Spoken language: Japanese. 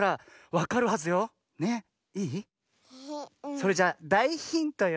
それじゃあだいヒントよ。